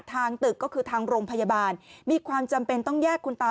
ตึกก็คือทางโรงพยาบาลมีความจำเป็นต้องแยกคุณตา